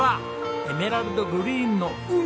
エメラルドグリーンの海。